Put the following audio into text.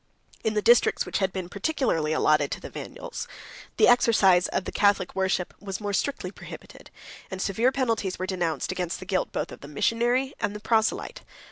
In the districts which had been peculiarly allotted to the Vandals, the exercise of the Catholic worship was more strictly prohibited; and severe penalties were denounced against the guilt both of the missionary and the proselyte.